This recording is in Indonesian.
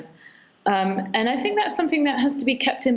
dan saya pikir itu adalah sesuatu yang harus diperhatikan